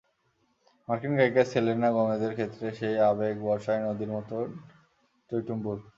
মার্কিন গায়িকা সেলেনা গোমেজের ক্ষেত্রে সেই আবেগ বর্ষায় নদীর মতোই টইটম্বুর।